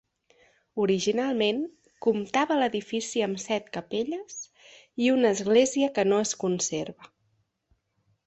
Originalment comptava l'edifici amb set capelles i una església que no es conserva.